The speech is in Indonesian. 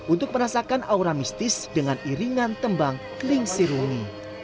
untuk merasakan aura mistis dengan iringan tembang kling sirungi